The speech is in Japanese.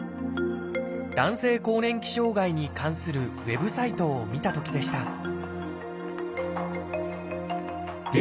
男性更年期障害に関するウェブサイトを見たときでした